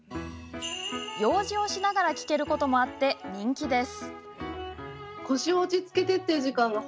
用事をしながら聞けることもあって人気です。